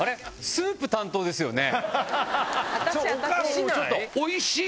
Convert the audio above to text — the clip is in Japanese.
スープ担当ですよね